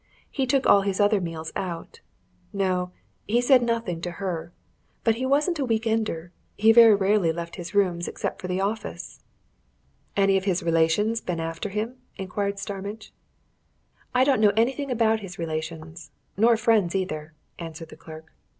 "He took all his other meals out. No he said nothing to her. But he wasn't a week ender: he very rarely left his rooms except for the office." "Any of his relations been after him?" inquired Starmidge. "I don't know anything about his relations nor friends, either," answered the clerk.